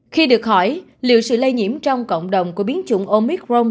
khi được hỏi liệu sự lây nhiễm trong cộng đồng của biến chủng omicron